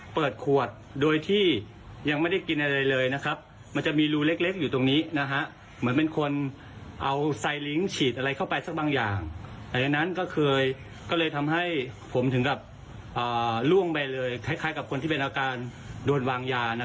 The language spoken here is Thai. เป็นอาการโดนวางยานะครับดูนะฮะ